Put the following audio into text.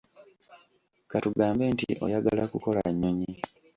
Ka tugambe nti oyagala kukola nnyonyi.